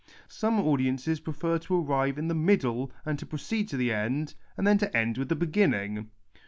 Some audiences prefer to arrive in the middle and to jjrocced to the end, and then to end with the beginning.